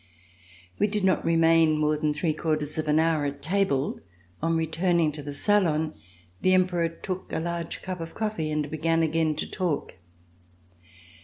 We did not remain more than three quarters of an hour at table. On returning to the salon, the Emperor took a large cup of coffee and began again to talk.